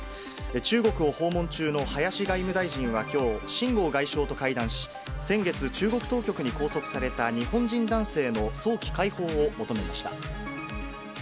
中国を訪問中の林外務大臣はきょう、秦剛外相と会談し、先月中国当局に拘束された日本人男性の早期解放を求めました。